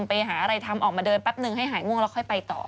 ไปหาอะไรทำออกมาเดินแป๊บนึงให้หายง่วงแล้วค่อยไปต่อ